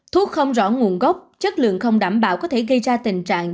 thuốc không rõ nguồn gốc chất lượng không đảm bảo có thể gây ra tình trạng